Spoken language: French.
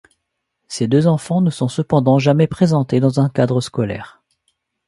Ces deux enfants ne sont cependant jamais présentés dans un cadre scolaire.